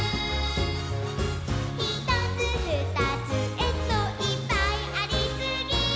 「ひとつふたつえっといっぱいありすぎー！！」